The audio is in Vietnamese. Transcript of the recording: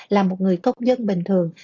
là một người tốt nhân bình thường